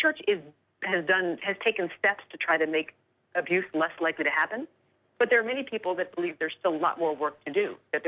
เราถูกคิดว่ามีการคุมมือภาพและบิชัพที่ไม่รับภาค